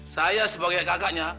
saya sebagai kakaknya